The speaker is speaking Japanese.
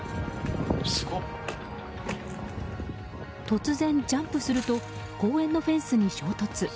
突然ジャンプすると公園のフェンスに衝突。